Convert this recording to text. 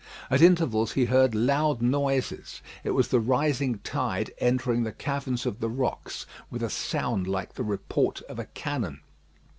At intervals he heard loud noises. It was the rising tide entering the caverns of the rocks with a sound like the report of a cannon.